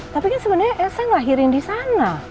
tapi kan sebenernya elsa ngelahirin disana